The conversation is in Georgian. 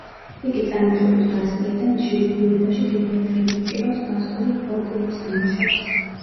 იგი წარმოშობით ბასკია და მის შემოქმედებაში დიდი ადგილი უჭირავს ბასკური ფოლკლორის ნიმუშებს.